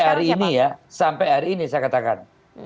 hari ini ya sampai hari ini saya katakan